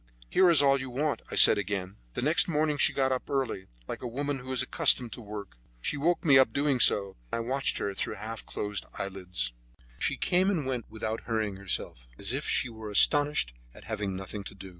"Here is all you want," I said again. The next morning she got up early, like a woman who is accustomed to work. She woke me by doing so, and I watched her through my half closed eyelids. She came and went without hurrying herself, as if she were astonished at having nothing to do.